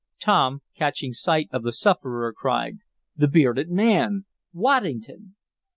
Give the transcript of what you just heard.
Tom, catching sight of the sufferer, cried: "The bearded man! Waddington!"